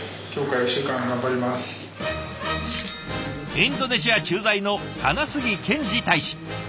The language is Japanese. インドネシア駐在の金杉憲治大使。